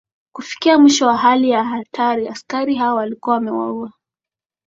Kufikia mwisho wa hali ya hatari askari hao walikuwa wamewaua